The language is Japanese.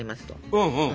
うんうん。